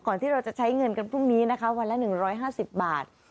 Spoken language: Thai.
ที่เราจะใช้เงินกันพรุ่งนี้นะคะวันละ๑๕๐บาท